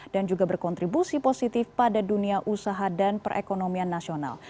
dan juga berkontribusi positif pada dunia usaha dan perekonomian nasional